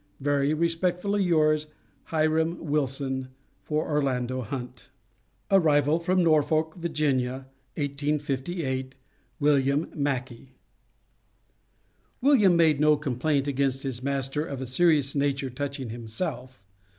Very respectfully yours, HIRAM WILSON, for ORLANDO HUNT. ARRIVAL FROM NORFOLK, VA., 1858. WILLIAM MACKEY. William made no complaint against his master of a serious nature touching himself.